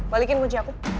balikin kunci aku